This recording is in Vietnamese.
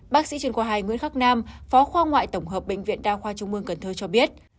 bác sĩ chuyên khoa hai nguyễn khắc nam phó khoa ngoại tổng hợp bệnh viện đa khoa trung mương cần thơ cho biết